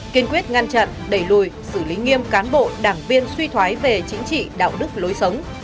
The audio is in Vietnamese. kiên quyết ngăn chặn đẩy lùi xử lý nghiêm cán bộ đảng viên suy thoái về chính trị đạo đức lối sống